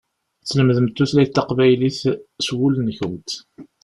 Ad tlemdemt tutlayt taqbaylit s wul-nkent.